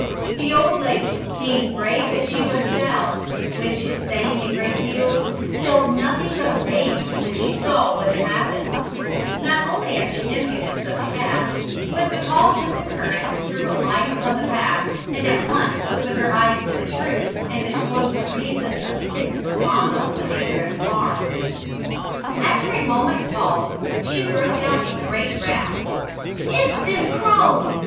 The old lady, being brave as she was stout (which is saying a great deal) felt nothing but rage when she saw what had happened, not only at the impudence of the cat, but because this occurrence threw a light upon the past, and at once opened her eyes to the truth, and disclosed the reason of the kitten's abominable behaviour at the farm. After a moment's pause she broke out in great wrath: "It's them crones!"